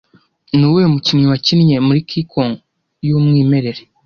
Nuwuhe mukinnyi wakinnye muri King Kong yumwimerere